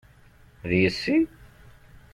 D yessi?